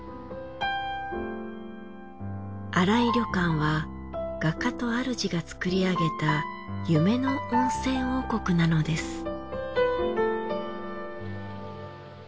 新井旅館は画家とあるじが造り上げた夢の温泉王国なのです。